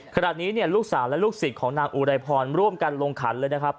ขณะนี้เนี่ยลูกสาวและลูกศิษย์ของนางอุไรพรร่วมกันลงขันเลยนะครับ